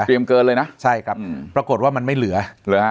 เกินเลยนะใช่ครับอืมปรากฏว่ามันไม่เหลือเหลือฮะ